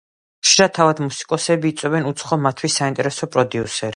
ხშირად, თავად მუსიკოსები იწვევენ უცხო, მათთვის საინტერესო პროდიუსერებს.